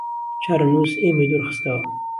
چارەنووس ئێمەی دوورخستەوە